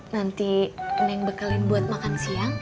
nanti neng bekalin buat makan siang